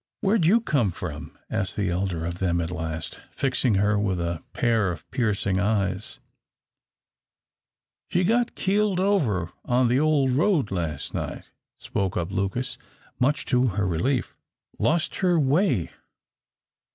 "Where'd you come from?" asked the elder of them at last, fixing her with a pair of piercing eyes. "She got keeled over on the old road last night," spoke up Lucas, much to her relief. "Lost her way.